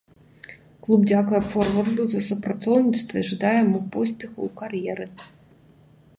Клуб дзякуе форварду за супрацоўніцтва і жадае яму поспехаў у кар'еры.